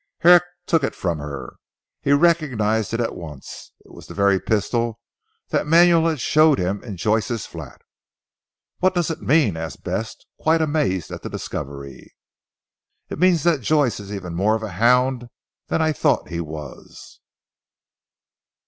Herrick took it from her. He recognised it at once. It was the very pistol that Manuel had shown him in Joyce's flat. "What does it mean?" asked Bess quite amazed at the discovery. "It means that Joyce is even more of a hound than I thought he was."